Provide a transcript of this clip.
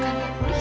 di kantor polisi